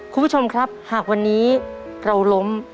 คุณผู้ชมครับหากวันนี้เราล้ม